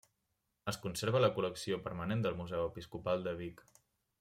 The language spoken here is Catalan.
Es conserva a la col·lecció permanent del Museu Episcopal de Vic.